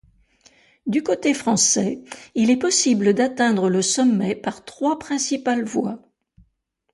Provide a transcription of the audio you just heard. Du côté français, il est possible d'atteindre le sommet par trois principales voies.